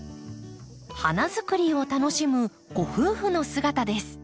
花づくりを楽しむご夫婦の姿です。